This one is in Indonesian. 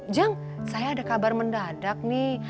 jang saya ada kabar mendadak nih